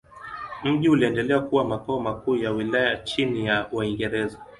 Mji uliendelea kuwa makao makuu ya wilaya chini ya Waingereza.